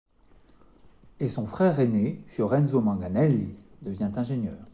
Et son frère aîné, Fiorenzo Manganelli, devient ingénieur.